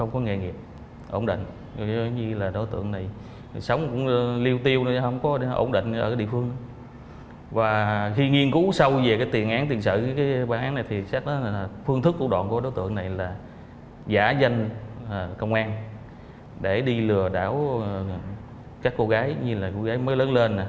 các cô gái như là cô gái mới lớn lên